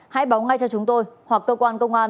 hãy báo ngay cho chúng tôi hoặc cơ quan công an